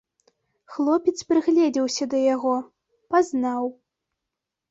Хлопец прыгледзеўся да яго, пазнаў.